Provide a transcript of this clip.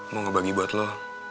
mau ngebagi buat lo